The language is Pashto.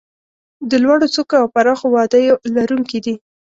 د لوړو څوکو او پراخو وادیو لرونکي دي.